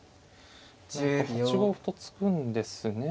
８五歩と突くんですね。